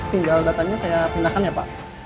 tinggal datanya saya pindahkan ya pak